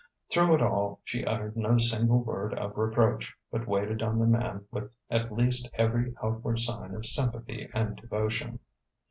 Through it all she uttered no single word of reproach, but waited on the man with at least every outward sign of sympathy and devotion.